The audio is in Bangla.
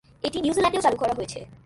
এটি নিউজিল্যান্ডেও চালু করা হয়েছে।